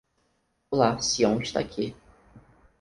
Olá, Siôn está aqui.